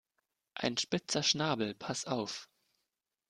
Ein spitzer Schnabel, pass auf!